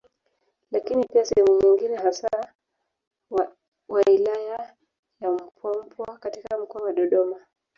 Lakini pia sehemu nyingine hasa wailaya ya Mpwapwa katika mkoa wa Dodoma